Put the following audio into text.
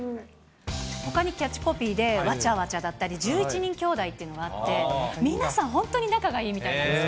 ほかのキャッチコピーで、わちゃわちゃだったり、１１人兄弟っていうのもあって、皆さん、本当に仲がいいみたいなんですよ。